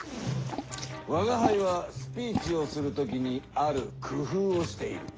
吾輩はスピーチをするときにある工ふうをしている。